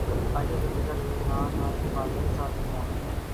عائشہ صدیقہ رض اس مطالبہ کے ساتھ میدان میں آئیں